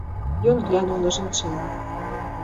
Ён глянуў на жанчыну.